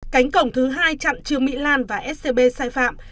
cánh cổng thứ hai chặng trương mỹ lan và scb sai phạm